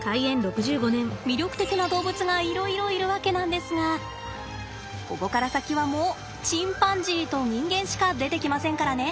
魅力的な動物がいろいろいるわけなんですがここから先はもうチンパンジーと人間しか出てきませんからね。